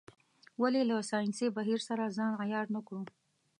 ولې له ساینسي بهیر سره ځان عیار نه کړو.